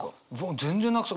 全然なくす。